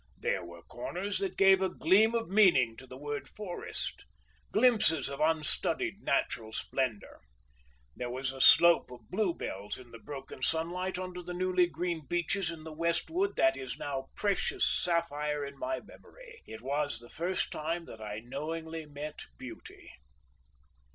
There were corners that gave a gleam of meaning to the word forest, glimpses of unstudied natural splendour. There was a slope of bluebells in the broken sunlight under the newly green beeches in the west wood that is now precious sapphire in my memory; it was the first time that I knowingly met Beauty.